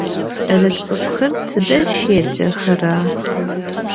Кӏэлэцӏыкӏухэр тыдэ щеджэхэра?